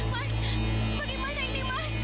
mas bagaimana ini mas